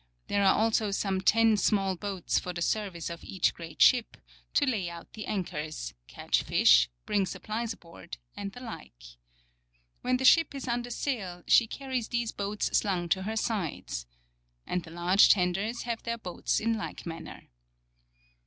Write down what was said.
There are also some ten [small] boats for the service of each great ship, to lay out tiic anchors, catch fish, bring supplies aboard, and the like. When the ship is under sail she carries these boats slung to her sides. And the large tenders have their boats in like manner.